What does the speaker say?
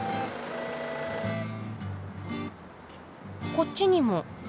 こっちにも。